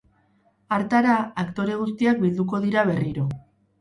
Hartara, aktore guztiak bilduko dira berriro.